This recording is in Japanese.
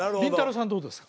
さんどうですか？